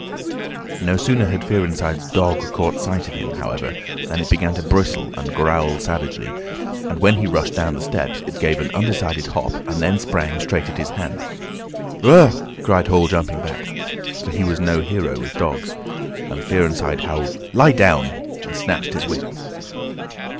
No sooner had Fearenside's dog caught sight of him, however, than it began to bristle and growl savagely, and when he rushed down the steps it gave an undecided hop, and then sprang straight at his hand. "Whup!" cried Hall, jumping back, for he was no hero with dogs, and Fearenside howled, "Lie down!" and snatched his whip.